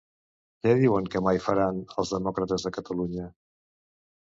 Què diuen que mai faran els Demòcrates de Catalunya?